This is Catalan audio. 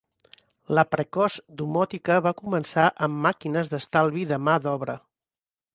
La precoç domòtica va començar amb màquines d'estalvi de mà d'obra.